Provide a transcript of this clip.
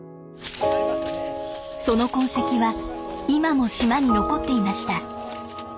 その痕跡は今も島に残っていました。